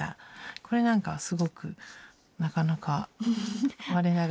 これなんかはすごくなかなか我ながらいい。